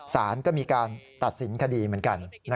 สารก็มีการตัดสินคดีเหมือนกัน